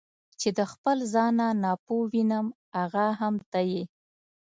چې د خپل ځان نه ناپوه وینم هغه هم ته یې.